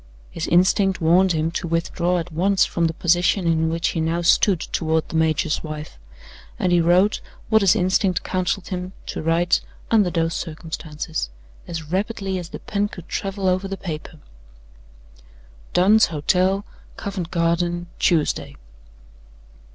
His instinct warned him to withdraw at once from the position in which he now stood toward the major's wife, and he wrote what his instinct counseled him to write under those circumstances, as rapidly as the pen could travel over the paper: "Dunn's Hotel, Covent Garden, Tuesday.